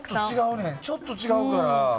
ちょっと違うねん。